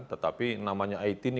tetapi namanya it ini